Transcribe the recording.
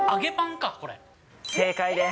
正解です。